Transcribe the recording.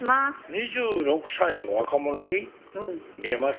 ２６歳の若者に見えます？